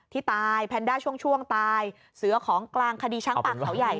ที่ตายแพนด้าช่วงตายเสือของกลางคดีช้างป่าเขาใหญ่